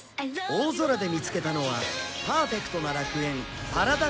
大空で見つけたのはパーフェクトな楽園パラダピア